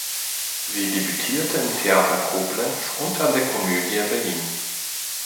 Sie debütierte am Theater Koblenz und an der Komödie Berlin.